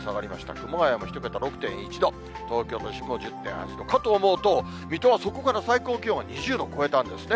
熊谷も１桁、６．１度、東京都心も１０．８度、かと思うと、水戸はそこから最高気温が２０度超えたんですね。